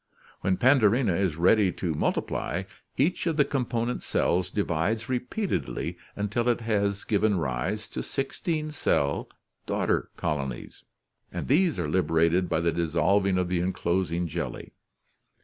When Pandorina is ready to multiply, each of the component cells di vides repeatedly until it has given rise to sixteen celled daughter colonies, and these are liberated by the dissolving of the enclosing jelly.